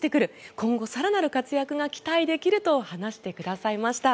今後、更なる活躍が期待できると話してくださいました。